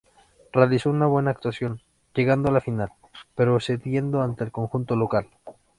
Realizó una buena actuación, llegando a la final, pero cediendo ante el conjunto local.